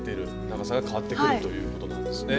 長さが変わってくるということなんですね。